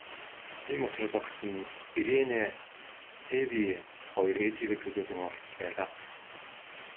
Тийм учраас охид нь, Ирене Эве хоёр ээжийгээ төлөөлөн оролцож байлаа.